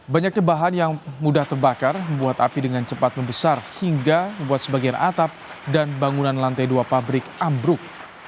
banyaknya bahan yang mudah terbakar membuat api dengan cepat membesar hingga membuat sebagian atap dan bangunan lantai dua pabrik ambruk